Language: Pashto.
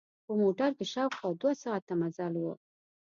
په موټر کې شاوخوا دوه ساعته مزل و.